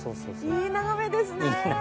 いい眺めです。